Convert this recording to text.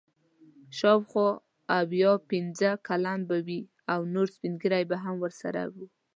شاوخوا اویا پنځه کلن به وي او نور سپین ږیري هم ورسره وو.